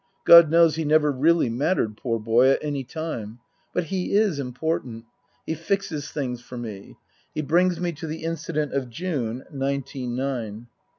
God knows he never really mattered, poor boy, at any time. But he is important. He fixes things for me. He brings me to the incident of June, nineteen nine.